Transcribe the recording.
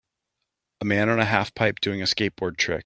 A man on a half pipe doing a skateboard trick.